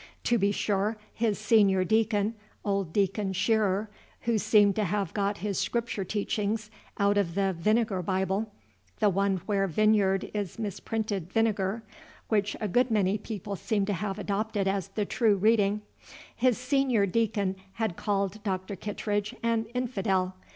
To be sure, his senior deacon, old Deacon Shearer, who seemed to have got his Scripture teachings out of the "Vinegar Bible," (the one where Vineyard is misprinted Vinegar; which a good many people seem to have adopted as the true reading,) his senior deacon had called Dr. Kittredge an "infidel."